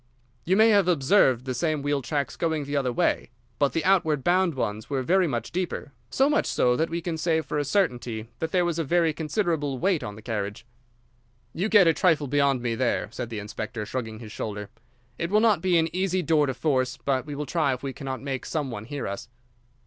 "You may have observed the same wheel tracks going the other way. But the outward bound ones were very much deeper—so much so that we can say for a certainty that there was a very considerable weight on the carriage." "You get a trifle beyond me there," said the inspector, shrugging his shoulder. "It will not be an easy door to force, but we will try if we cannot make some one hear us."